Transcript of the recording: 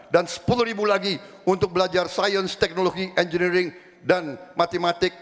dan sepuluh ribu lagi untuk belajar sains teknologi penyelidikan dan matematika